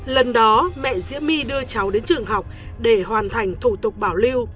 lần đó mẹ diễm my đưa cháu đến trường học để hoàn thành thủ tục bảo lưu